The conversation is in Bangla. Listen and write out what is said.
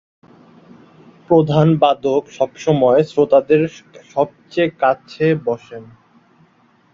প্রধান বাদক সবসময় শ্রোতাদের সবচেয়ে কাছে বসেন।